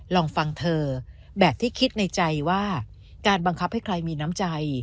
ลองฟังเธอแบบที่คิดในใจว่าการบังคับให้ใครมีน้ำใจ